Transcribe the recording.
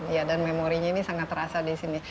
iya dan memorinya ini sangat terasa di sini